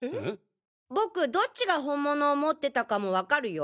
僕どっちが本物を持ってたかもわかるよ。